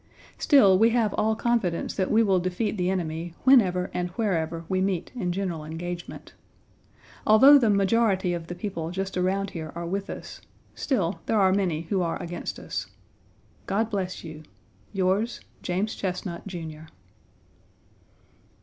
Still, we have all confidence that we will defeat the enemy whenever and wherever we meet in general engagement. Although the majority of the people Page 66 just around here are with us, still there are many who are against us. God bless you. Yours, JAMES CHESNUT, JR.